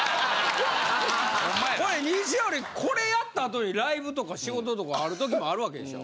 西堀これやった後にライブとか仕事とかある時もある訳でしょ？